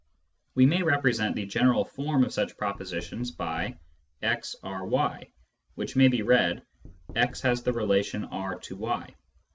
We may represent the general form of such propositions by " x R y" which may be read " x has the relation R to y."